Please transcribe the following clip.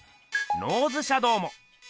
ノーズシャドウも。